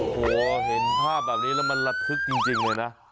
โอ้โหเห็นภาพแบบนี้แล้วมันระทึกจริงเลยนะ